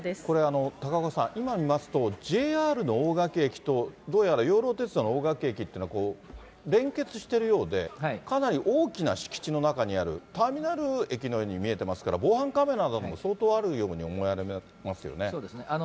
これ、高岡さん、今見ますと、ＪＲの大垣駅と、どうやら養老鉄道の大垣駅というのは、連結してるようで、かなり大きな敷地の中にあるターミナルの駅のように見えてますから、防犯カメラなども相当あるように思われますよね。